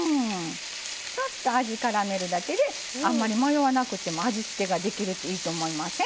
ちょっと味からめるだけであんまり迷わなくても味付けができるっていいと思いません？